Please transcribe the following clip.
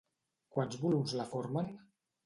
Quants volums la formen?